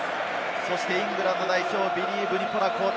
そしてイングランド代表ビリー・ヴニポラ交代。